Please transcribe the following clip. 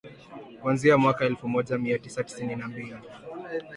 Kuanzia mwaka elfu moja mia tisa tisini na mbili